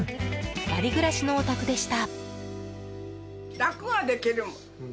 ２人暮らしのお宅でした。